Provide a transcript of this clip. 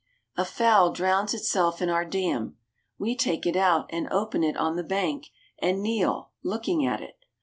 A fowl drowns itself in our dam. We take it out, and open it on the bank, and kneel, looking at it.